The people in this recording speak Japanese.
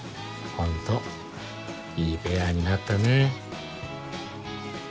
ホントいいペアになったね。